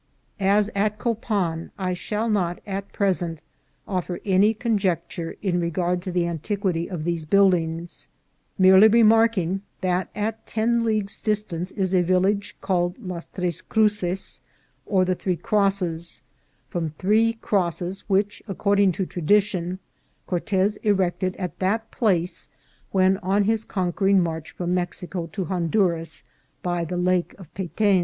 As at Copan, I shall not at present offer any conjec ture in regard to the antiquity of these buildings, merely remarking that at ten leagues' distance is a village cal led Las Tres Cruces or the Three Crosses, from three crosses which, according to tradition, Cortez erected at that place when on his conquering march from Mexico to Honduras by the Lake of Peten.